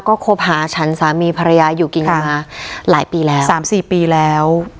ก็คบหาฉันสามีภรรยาอยู่กินกันมาหลายปีแล้วสามสี่ปีแล้ว